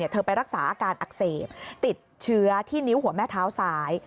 ไปรักษาอาการอักเสบติดเชื้อที่นิ้วหัวแม่เท้าซ้าย